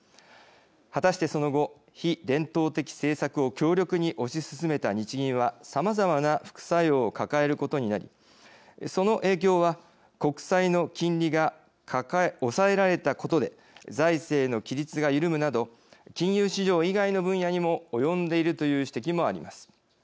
果たして、その後非伝統的政策を強力に推し進めた日銀はさまざまな副作用を抱えることになり、その影響は国債の金利が抑えられたことで財政の規律が緩むなど金融市場以外の分野にも及んでいるという指摘もあります。